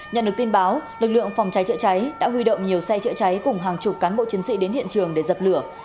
nhận được tin báo lực lượng phòng cháy chữa cháy đã huy động nhiều xe chữa cháy cùng hàng chục cán bộ chiến sĩ đến hiện trường để dập lửa